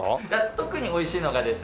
特に美味しいのがですね